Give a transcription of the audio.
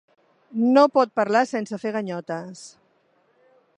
No pot parlar sense fer ganyotes.